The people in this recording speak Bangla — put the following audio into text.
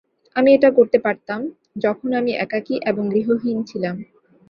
আমি এটা করতে পারতাম যখন আমি একাকী এবং গৃহহীন ছিলাম।